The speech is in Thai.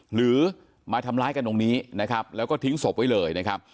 หรือมาทำร้ายกันตรงนี้นะครับแล้วก็ทิ้งศพไว้เลยนะครับ